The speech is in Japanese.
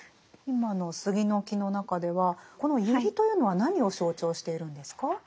今の「杉の木」の中ではこの「百合」というのは何を象徴しているんですか？